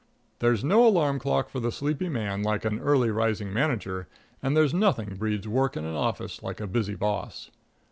There's no alarm clock for the sleepy man like an early rising manager; and there's nothing breeds work in an office like a busy boss.